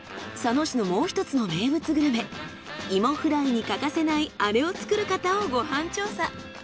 佐野市のもう一つの名物グルメいもフライに欠かせないあれを作る方をご飯調査。